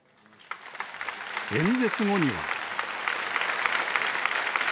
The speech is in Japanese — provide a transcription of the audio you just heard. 演説後には。